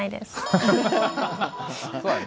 そうだね。